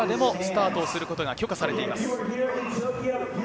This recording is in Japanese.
どの場所からでもスタートすることが許可されています。